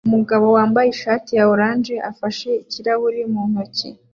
Umugore wambaye ishati ya orange afashe ikirahure mu ntoki